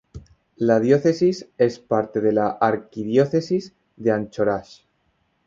La diócesis es parte de la Arquidiócesis de Anchorage.